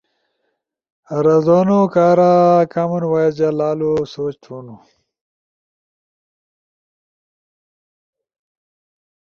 رازونو کارا کامن وائس جا لالو سوچ تھونُو